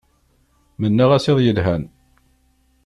Mennaɣ-as iḍ yelhan.